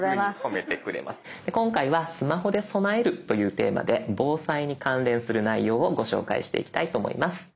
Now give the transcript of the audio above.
で今回はスマホで備えるというテーマで防災に関連する内容をご紹介していきたいと思います。